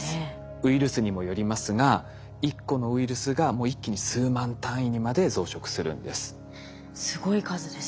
ウイルスにもよりますが１個のウイルスがもう一気に数万単位にまで増殖するんです。